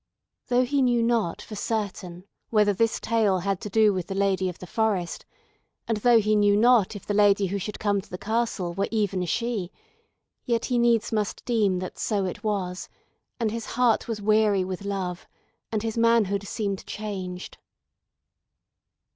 Though he knew not for certain whether this tale had to do with the Lady of the Forest, and though he knew not if the Lady who should come to the castle were even she, yet he needs must deem that so it was, and his heart was weary with love, and his manhood seemed changed.